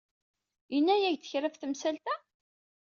Yenna-yak-d kra ɣef temsalt-a?